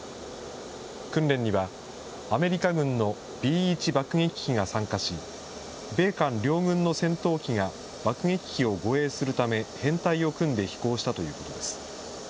訓練には、アメリカ軍のＢ１爆撃機が参加し、米韓両軍の戦闘機が爆撃機を護衛するため編隊を組んで飛行したということです。